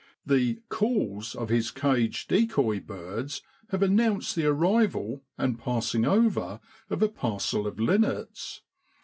The * calls ' of his caged decoy birds have announced the arrival and passing over of a parcel of linnets.